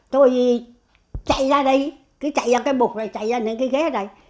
tôi chạy ra đây cứ chạy ra cái bục này chạy ra đến cái ghế này